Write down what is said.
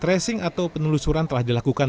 tracing atau penelusuran telah dilakukan